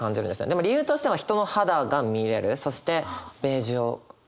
でも理由としては人の肌が見えるそしてベージュを感じますね。